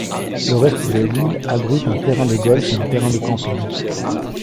Le reste de l'île abrite un terrain de golf et un terrain de camping.